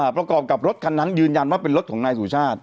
ประกอบกับรถคันนั้นยืนยันว่าเป็นรถของนายสุชาติ